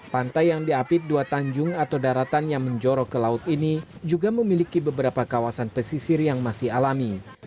pantai yang diapit dua tanjung atau daratan yang menjorok ke laut ini juga memiliki beberapa kawasan pesisir yang masih alami